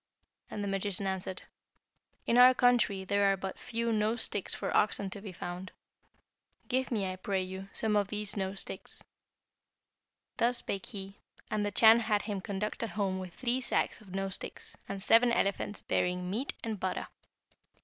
And the magician answered, 'In our country there are but few nose sticks for oxen to be found. Give me, I pray you, some of these nose sticks.' Thus spake he, and the Chan had him conducted home with three sacks of nose sticks, and seven elephants bearing meat and butter.